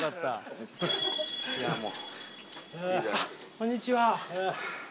こんにちは。